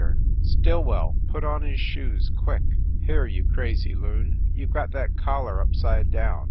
WYCHERLEY COURT 231 Stillwell, put on his shoes, quick! Here, you crazy loon, you ve got that collar upside down!